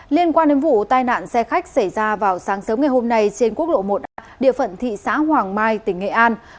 liên quan đến vụ tai nạn xe khách xảy ra vào sáng sớm ngày hôm nay trên quốc lộ một a địa phận thị xã hoàng mai tỉnh nghệ an